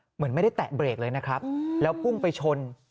เหมือนไม่ได้แตะเบรกเลยนะครับแล้วพุ่งไปชน